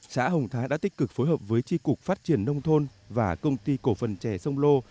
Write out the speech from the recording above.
xã hồng thái đã tích cực phối hợp với tri cục phát triển nông thôn và công ty cổ phần chè sông lô